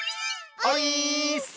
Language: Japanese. オイーッス！